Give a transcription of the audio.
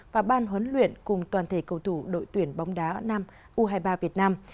và ban huấn luyện cùng toàn thể cầu thủ đội tuyển bóng đá nam u hai mươi ba việt nam